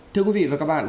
thưa quý vị và các bạn